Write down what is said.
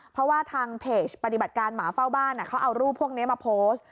เพราะว่าทางเพจปฏิบัติการหมาเฝ้าบ้านเขาเอารูปพวกนี้มาโพสต์